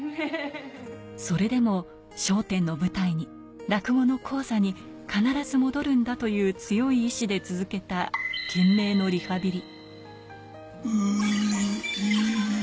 それでも、笑点の舞台に、落語の高座に必ず戻るんだという強い意思で続けた懸命のリハビリ。